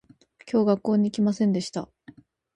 今日学校に行きませんでした